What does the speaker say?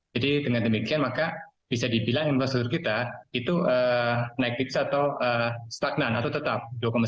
jadi dengan demikian maka bisa dibilang infrastruktur kita itu naik tipis atau stagnan atau tetap dua sembilan